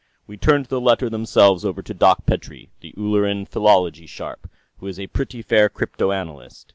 We turned the letters themselves over to Doc Petrie, the Ulleran philology sharp, who is a pretty fair cryptanalyst.